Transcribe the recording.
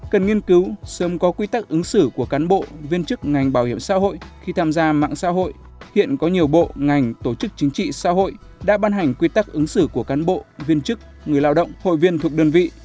cần nghiên cứu sớm có quy tắc ứng xử của cán bộ viên chức ngành bảo hiểm xã hội khi tham gia mạng xã hội hiện có nhiều bộ ngành tổ chức chính trị xã hội đã ban hành quy tắc ứng xử của cán bộ viên chức người lao động hội viên thuộc đơn vị